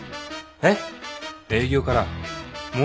えっ？